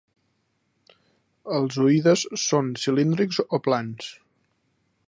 Els zooides són cilíndrics o plans.